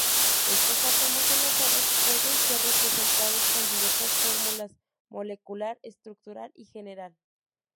Estos átomos enlazados pueden ser representados con diversas fórmulas: molecular, estructural y general.